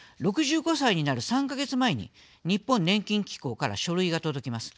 ６５歳になる３か月前に日本年金機構から書類が届きます。